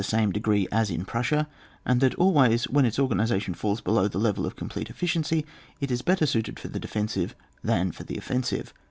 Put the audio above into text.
same degree as in PruBsia, and that al ways when its organisation falls below the level of complete efficiency, it is better suited for the defensive than for the offensive.